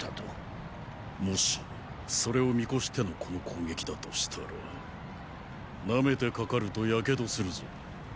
もしそれを見越してのこの攻撃だとしたらなめてかかると火傷するぞ。